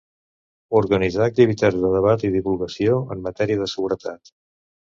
Organitzar activitats de debat i divulgació en matèria de seguretat.